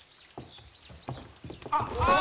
あっああ！